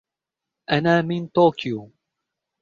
أنا من طوكيو.